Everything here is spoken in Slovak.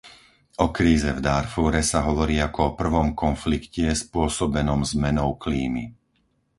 O kríze v Dárfúre sa hovorí ako o prvom konflikte spôsobenom zmenou klímy.